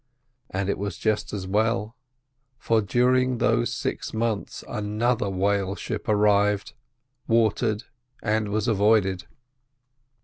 And it was just as well, for during those six months another whale ship arrived, watered and was avoided.